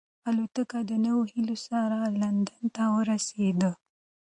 الوتکه د نویو هیلو سره لندن ته ورسېده.